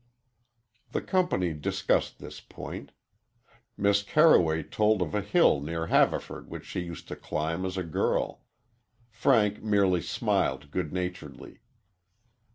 The company discussed this point. Miss Carroway told of a hill near Haverford which she used to climb, as a girl. Frank merely smiled good naturedly.